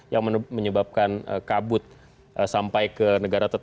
yang menyebabkan kabut sampai ke negara